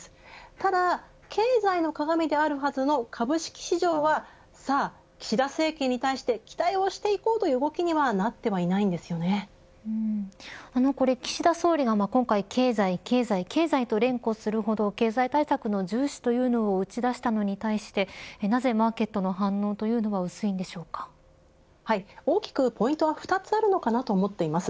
ただ、経済のかがみであるはずの株式市場は岸田政権に対して期待をしていこうという動きには岸田総理が今回経済・経済・経済と連呼するほど経済対策の重視というのを打ち出したのに対しなぜマーケットの反応というのは大きくポイントが２つあると思います。